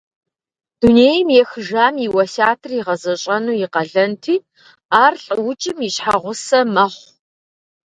Дунейм ехыжам и уэсятыр игъэзэщӏэну и къалэнти, ар лӏыукӏым и щхьэгъусэ мэхъу.